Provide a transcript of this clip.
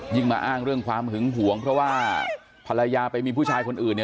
มาอ้างเรื่องความหึงหวงเพราะว่าภรรยาไปมีผู้ชายคนอื่น